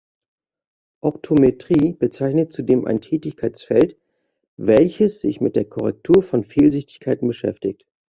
Optometrie bezeichnet zudem ein Tätigkeitsfeld, welches sich mit der Korrektur von Fehlsichtigkeiten beschäftigt.